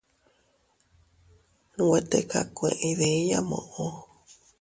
Nwe tikakue iydiya muʼu.